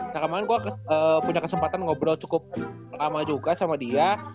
nah kemarin gue punya kesempatan ngobrol cukup lama juga sama dia